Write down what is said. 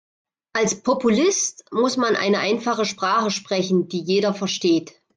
Als Populist muss man eine einfache Sprache sprechen, die jeder versteht.